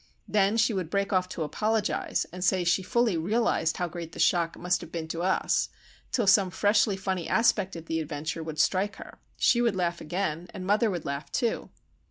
Then she would break off to apologise, and say she fully realised how great the shock must have been to us;—till some freshly funny aspect of the adventure would strike her, she would laugh again, and mother would laugh, too.